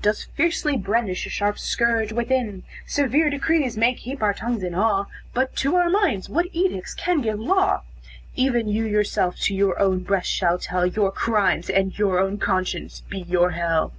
Does fiercely brandish a sharp scourge within; Severe decrees may keep our tongues in awe, But to our minds what edicts can give law? Even you yourself to your own breast shall tell Your crimes, and your own conscience be your hell."